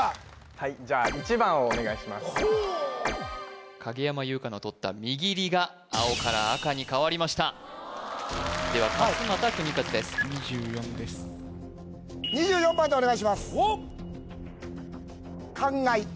はいじゃあ１番をお願いします影山優佳のとったみぎりが青から赤に変わりましたでは勝俣州和です２４です２４番でお願いします